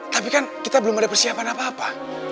tapi kan kita belum ada persiapan apa apa